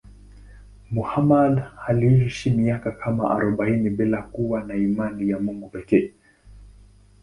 Muhammad aliishi miaka kama arobaini bila kuwa na imani ya Mungu pekee.